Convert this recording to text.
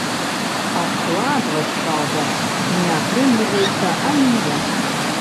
Адкладваць, праўда, не атрымліваецца аніяк.